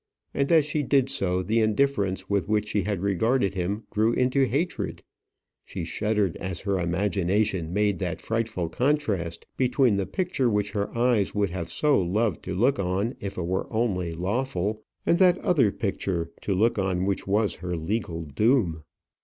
And as she did so, the indifference with which she had regarded him grew into hatred. She shuddered as her imagination made that frightful contrast between the picture which her eyes would have so loved to look on if it were only lawful, and that other picture to look on which was her legal doom.